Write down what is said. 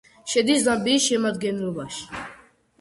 შედის ზამბიის შემადგენლობაში.